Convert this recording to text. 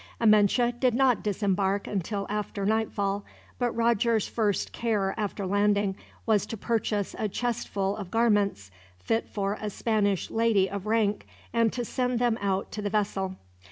Amenche did not disembark until after nightfall, but Roger's first care after landing was to purchase a chestful of garments, fit for a Spanish lady of rank, and to send them out to the vessel.